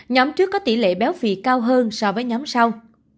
nhóm trước có tỷ lệ béo phì cao hơn so với nhóm sau